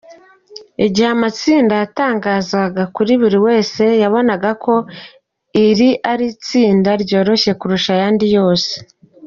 "Igihe amatsinda yatangazwaga, buri wese yabonaga ko iri ari itsinda ryoroshye kurusha ayandi yose.